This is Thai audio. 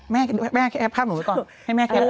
แม่แคปข้ามหนูก่อน